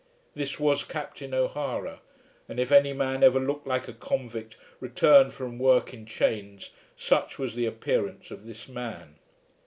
This was Captain O'Hara; and if any man ever looked like a convict returned from work in chains, such was the appearance of this man.